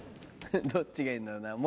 どっちがいいんだろうな森